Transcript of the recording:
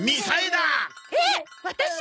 えっワタシ！？